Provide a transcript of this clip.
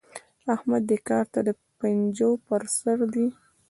احمد دې کار ته د پنجو پر سر دی.